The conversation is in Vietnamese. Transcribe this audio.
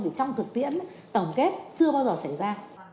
thì trong thực tiễn tổng kết chưa bao giờ xảy ra